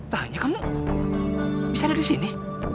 tanya kamu bisa ada di sini